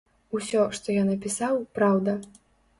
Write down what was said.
Усё, што я напісаў, праўда.